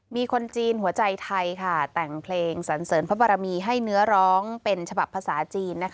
มีคนจีนหัวใจไทยแต่งเพลงสันเสริญพระบรมีให้เนื้อร้องเป็นฉบับภาษาจีน